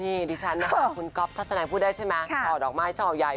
เขาบอกว่าถ้ามีเซอร์ไพรส์ต้องชอบด้วย